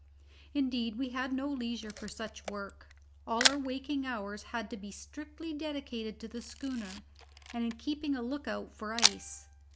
Indeed, we had no leisure for such work; all our waking hours had to be strictly dedicated to the schooner, and in keeping a look out for ice.